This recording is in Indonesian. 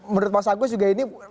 menurut mas agus juga ini